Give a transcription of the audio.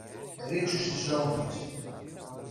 Ρίξου στις λόγχες